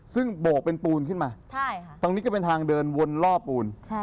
ซึ่งโบกเป็นปูนขึ้นมาตรงนี้ก็เป็นทางเดินวนล่อปูน